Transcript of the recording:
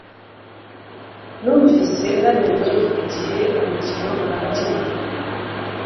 Numvise naniwe igihe umukino urangiye